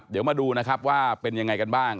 เดี๋ยวมาดูนะครับว่าเป็นยังไงกันบ้าง